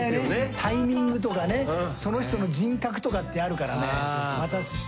タイミングとかその人の人格とかってあるからね渡す人の。